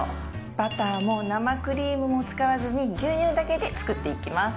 バターも生クリームも使わずに牛乳だけで作っていきます。